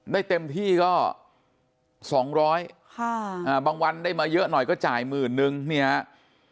ได้เต็มที่ก็๒๐๐บาทบางวันได้มาเยอะหน่อยก็จ่าย๑๐๐๐๐บาท